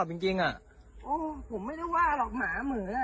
จริงจริงอ่ะโอ้ผมไม่ได้ว่าหรอกหมาเหมือนอ่ะ